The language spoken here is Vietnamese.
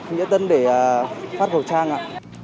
nhớ tân để phát khẩu trang ạ